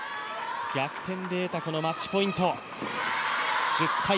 逆転で得たマッチポイント。